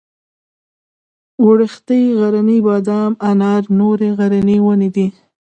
وړښتی غرنی بادام انار نورې غرنۍ ونې دي.